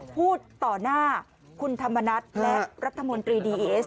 พูดต่อหน้าคุณธรรมนัฏและรัฐมนตรีดีเอส